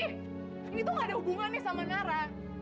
ini tuh gak ada hubungan nih sama nara